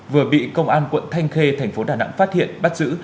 vừa bị công an quận thanh khê thành phố đà nẵng phát hiện bắt giữ